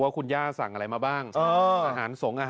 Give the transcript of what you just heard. ว่าคุณย่าสั่งอะไรมาบ้าง